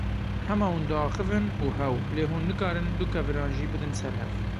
Hema hûn diaxivin û hew lê hûn nikarin du keviran jî bidin ser hev.